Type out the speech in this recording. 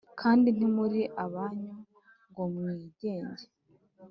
Kandi ntimuri abanyu ngo mwigenge